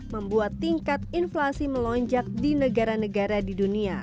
membuat tingkat inflasi melonjak di negara negara di dunia